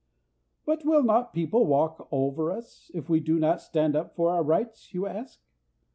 "But will not people walk over us, if we do not stand up for our rights?" you ask.